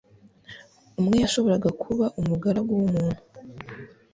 umwe yashoboraga kuba umugaragu w umuntu